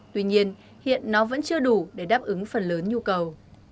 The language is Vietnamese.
tuy nhiên hiện nó vẫn chưa đủ để đáp ứng phần lớn nhu cầu